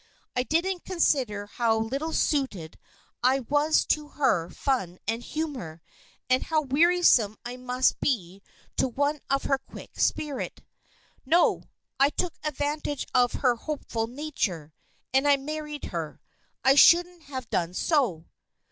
I didn't consider how little suited I was to her fun and humor, and how wearisome I must be to one of her quick spirit. No! I took advantage of her hopeful nature, and I married her. I shouldn't have done so!"